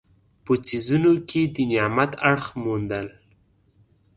په څیزونو کې د نعمت اړخ موندل.